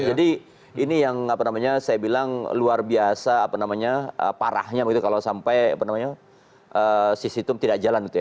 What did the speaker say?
jadi ini yang apa namanya saya bilang luar biasa apa namanya parahnya begitu kalau sampai apa namanya sisi tum tidak jalan gitu ya